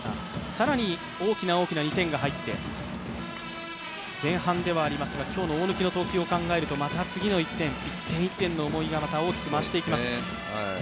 更に大きな大きな２点が入って、前半ではありますが、今日の大貫の投球を考えるとまた次の１点、１点１点の思いが大きく増していきます。